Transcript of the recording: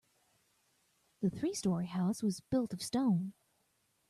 The three story house was built of stone.